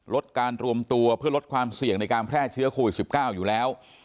ลดการรวมตัวเพื่อลดความเสี่ยงในการแพร่เชื้อโควิด๑๙อยู่แล้ว